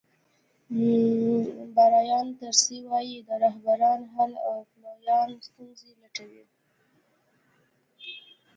برایان تریسي وایي رهبران حل او پلویان ستونزې لټوي.